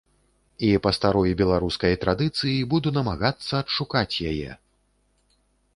І, па старой беларускай традыцыі, буду намагацца адшукаць яе.